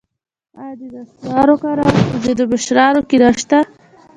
آیا د نصوارو کارول په ځینو مشرانو کې نشته؟